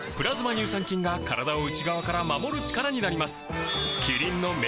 乳酸菌が体を内側から守る力になります